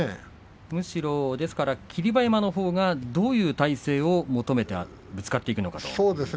むしろ霧馬山のほうがどういう体勢を求めてぶつかっていくのかということですか。